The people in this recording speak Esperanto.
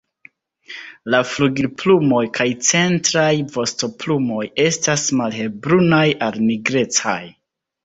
La flugilplumoj kaj centraj vostoplumoj estas malhelbrunaj al nigrecaj.